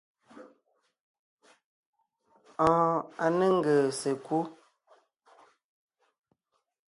Oon, a ne ńgèè sekú.